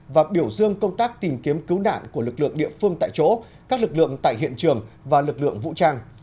và biểu dương công tác tìm kiếm cứu nạn của lực lượng địa phương tại chỗ các lực lượng tại hiện trường và lực lượng vũ trang